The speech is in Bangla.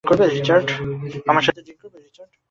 আমার সাথে ড্রিংক করবে, রিচার্ড?